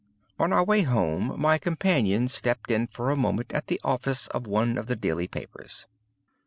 On our way home my companion stepped in for a moment at the office of one of the daily papers.